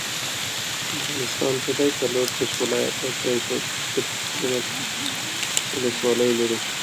The outline of the work is as follows.